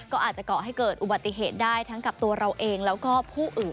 ก็อาจจะเกาะให้เกิดอุบัติเหตุได้ทั้งกับตัวเราเองแล้วก็ผู้อื่น